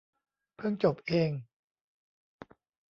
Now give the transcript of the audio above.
เพิ่งจบเอง